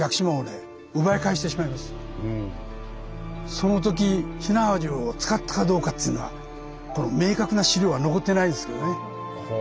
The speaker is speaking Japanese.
そのとき火縄銃を使ったかどうかっつうのは明確な資料は残ってないですけどね。